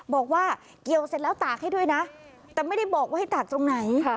บอกว่าเกี่ยวเสร็จแล้วตากให้ด้วยนะแต่ไม่ได้บอกว่าให้ตากตรงไหน